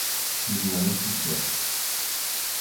Ousmane Cissé